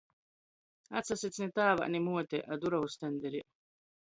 Atsasits ni tāvā, ni muotī, a durovu stenderī.